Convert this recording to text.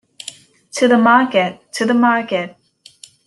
To market, to market!